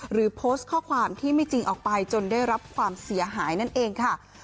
หรือโพสต์ข้อความที่ไม่จริงออกไปจนได้รับความเสียหายนั่นเองค่ะ